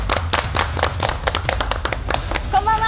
こんばんは！